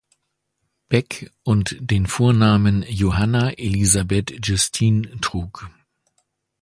Beck und den Vornamen Johanna Elisabeth Justine trug.